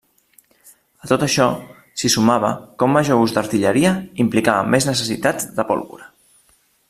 A tot això s'hi sumava que un major ús d'artilleria implicava més necessitats de pólvora.